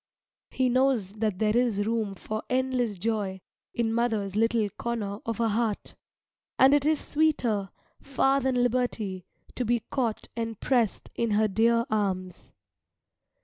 He knows that there is room for endless joy in mother's little corner of a heart, and it is sweeter far than liberty to be caught and pressed in her dear arms.